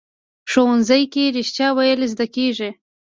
ښوونځی کې رښتیا ویل زده کېږي